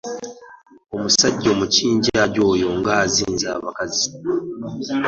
Omusajja omukinjaaji oyo aganzizza bakazi!